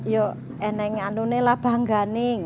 ya ini adalah bangga